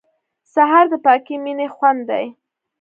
سهار د پاکې مینې خوند دی.